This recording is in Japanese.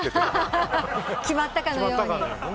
決まったかのように？